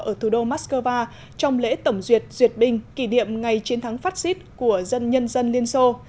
ở thủ đô moscow trong lễ tổng duyệt duyệt binh kỷ niệm ngày chiến thắng fascist của dân nhân dân liên xô